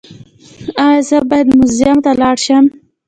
ایا زه باید موزیم ته لاړ شم؟